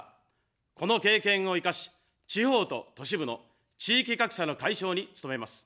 この経験を生かし、地方と都市部の地域格差の解消に努めます。